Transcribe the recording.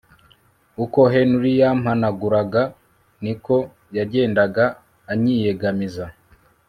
uko Henry yampanaguraga niko yagendaga anyiyegamiza